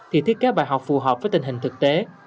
thì thiết kế bài học phù hợp với tình hình thực tế